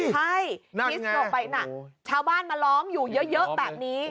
ใช่คิสโต๊ะไปชาวบ้านมาร้องอยู่เยอะแบบนี้